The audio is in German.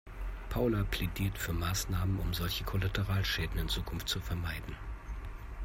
Paula plädiert für Maßnahmen, um solche Kollateralschäden in Zukunft zu vermeiden.